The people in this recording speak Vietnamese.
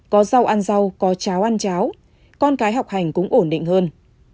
có rau ăn rau có cháo ăn cháo con cái học hành cũng ổn định hơn